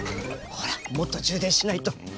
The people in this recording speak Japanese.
ほらもっと充電しないと。